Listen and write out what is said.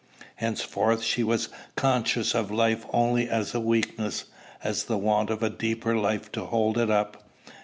Henceforth she was conscious of life only as a weakness, as the want of a deeper life to hold it up.